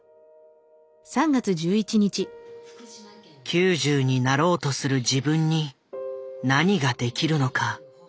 ９０になろうとする自分に何ができるのか。